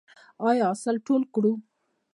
آیا حاصل ټول کړو؟